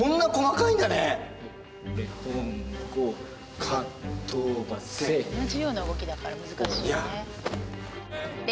こんなに同じような動きだから難しいよね。